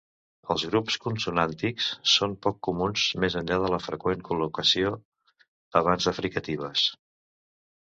Els grups consonàntics són poc comuns, més enllà de la freqüent col·locació abans de fricatives.